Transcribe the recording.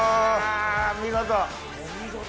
見事！